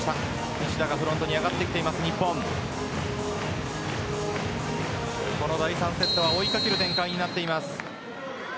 西田がフロントに上がってきています、日本この第３セットは追いかける展開になっています。